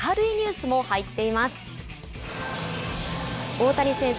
大谷選手